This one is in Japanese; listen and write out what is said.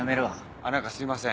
あっ何かすいません。